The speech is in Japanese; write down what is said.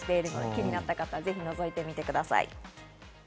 気になった方は覗いてみてください。